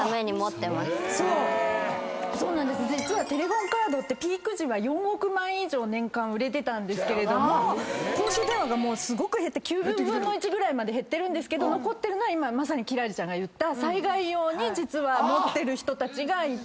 実はテレホンカードってピーク時は４億枚以上年間売れてたんですけれども公衆電話がすごく減って９０分の１ぐらいまで減ってるけど残ってるのは今まさに輝星ちゃんが言った災害用に持ってる人たちがいて。